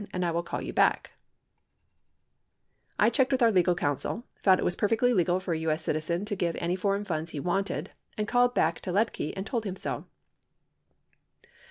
10. 518 I checked with our counsel, found it was perfectly legal for a U.S. citizen to give any foreign funds he wanted, and called back to Liedtke and told him so.